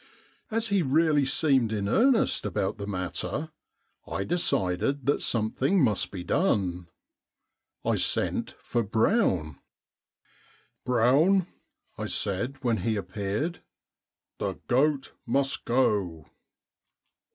As he really seemed in earnest about the matter, I decided that something must be done. I sent for Brown. 142 EBENEEZER THE GOAT " Brown," I said when he appeared, " the goat must go."